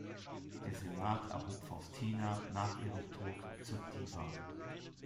Der Senat erhob Faustina nach ihrem Tod zur "diva".